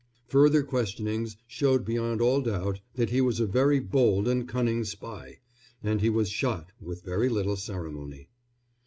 Further questionings showed beyond all doubt that he was a very bold and cunning spy, and he was shot with very little ceremony.